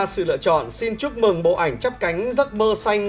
sự lựa chọn xin chúc mừng bộ ảnh chắp cánh giấc mơ xanh